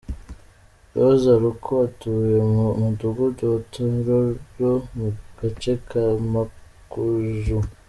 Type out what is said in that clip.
Rose Aluku utuye mu Mudugudu wa Tororo mu gace ka Mukujju.